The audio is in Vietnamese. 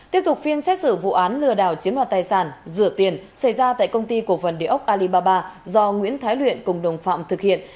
tiếp tục phiên xét xử vụ án lừa đảo chiếm đoạt tài sản rửa tiền xảy ra tại công ty cổ phần địa ốc alibaba do nguyễn thái luyện cùng đồng phạm thực hiện